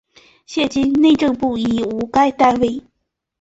现今内政部已无该单位。